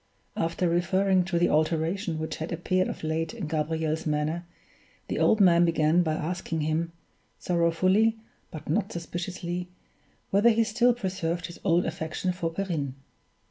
After referring to the alteration which had appeared of late in Gabriel's manner, the old man began by asking him, sorrowfully but not suspiciously, whether he still preserved his old affection for Perrine.